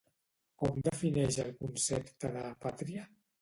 Com defineix el concepte de "pàtria"?